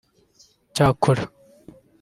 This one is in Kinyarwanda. Cyakora